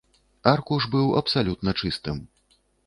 Аркуш быў абсалютна чыстым.